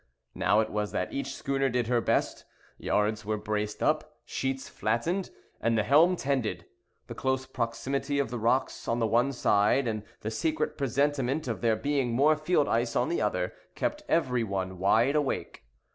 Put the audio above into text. Now it was that each schooner did her best: yards were braced up, sheets flattened, and the helm tended. The close proximity of the rocks on the one side, and the secret presentiment of there being more field ice on the other, kept every one wide awake.